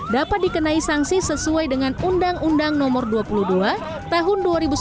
dapat dikenai sanksi sesuai dengan undang undang nomor dua puluh dua tahun dua ribu sembilan